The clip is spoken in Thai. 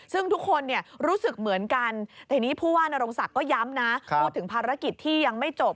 ซึ่งทุกคนรู้สึกเหมือนกันแต่ทีนี้ผู้ว่านรงศักดิ์ก็ย้ำนะพูดถึงภารกิจที่ยังไม่จบ